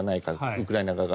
ウクライナ側が。